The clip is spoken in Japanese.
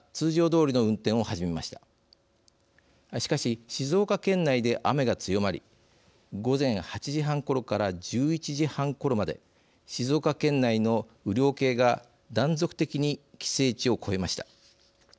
しかし静岡県内で雨が強まり午前８時半ころから１１時半ころまで静岡県内の雨量計が断続的に規制値を超えました。